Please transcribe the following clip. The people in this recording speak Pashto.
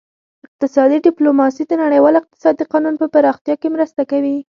اقتصادي ډیپلوماسي د نړیوال اقتصادي قانون په پراختیا کې مرسته کوي